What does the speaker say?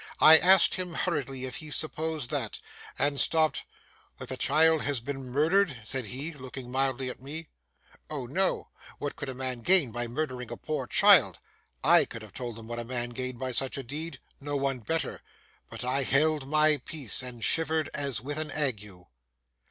I asked him hurriedly if he supposed that—and stopped. 'That the child has been murdered?' said he, looking mildly at me: 'O no! what could a man gain by murdering a poor child?' I could have told him what a man gained by such a deed, no one better: but I held my peace and shivered as with an ague.